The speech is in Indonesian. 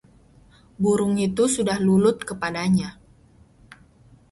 burung itu sudah lulut kepadanya